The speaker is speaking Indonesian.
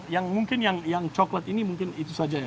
yang mungkin yang coklat ini mungkin itu saja ya